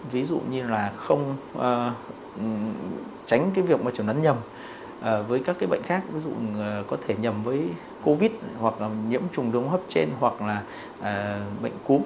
ví dụ như là không tránh cái việc mà chuẩn nắn nhầm với các cái bệnh khác ví dụ có thể nhầm với covid hoặc là nhiễm trùng đúng hấp trên hoặc là bệnh cúm